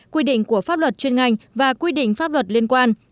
quy định của pháp luật chuyên ngành và quy định pháp luật liên quan